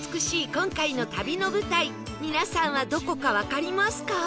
今回の旅の舞台皆さんはどこかわかりますか？